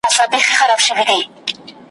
که ژړل دي په سرو سترګو نو یوازي وایه ساندي .